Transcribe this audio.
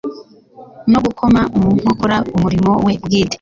no gukoma mu nkokora umurimo we bwite.